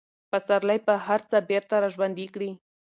پسرلی به هر څه بېرته راژوندي کړي.